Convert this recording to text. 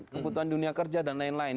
kebutuhan dunia kerja dan lain lain